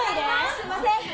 すんません。